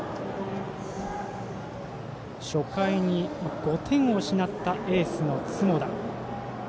初回に５点を失ったエースの積田。